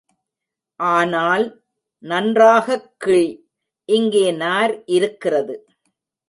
ஆனால், நன்றாகக் கிழி, இங்கே நார் இருக்கிறது.